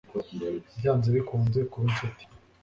byanze bikunze kuba inshuti